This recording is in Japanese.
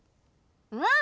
うん。